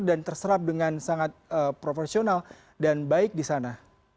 dan terserap dengan sangat profesional dan baik di sana